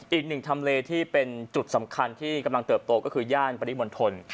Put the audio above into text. อีกหนึ่งทำเลที่เป็นจุดสำคัญที่กำลังเติบโตก็คือย่านปริมณฑล